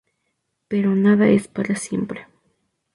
Pero nada es para siempre.